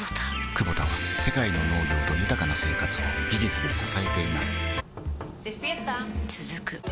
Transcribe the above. クボタは世界の農業と豊かな生活を技術で支えています起きて。